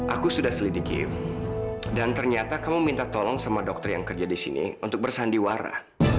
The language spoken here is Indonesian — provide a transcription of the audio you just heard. aku sudah selidiki dan ternyata kamu minta tolong sama dokter yang kerja di sini untuk bersandiwara